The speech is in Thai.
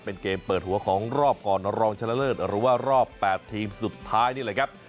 เป็นเกมเปิดหัวของรอบก่อนรองชนะเลิศหรือว่ารอบ๘ทีมสุดท้ายนี่แหละครับ